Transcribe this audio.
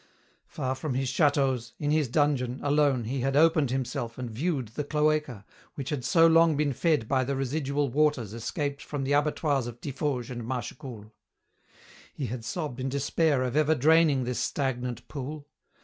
Far from his châteaux, in his dungeon, alone, he had opened himself and viewed the cloaca which had so long been fed by the residual waters escaped from the abattoirs of Tiffauges and Mâchecoul. He had sobbed in despair of ever draining this stagnant pool.